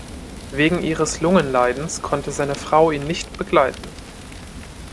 Wegen ihres Lungenleidens konnte seine Frau ihn nicht begleiten.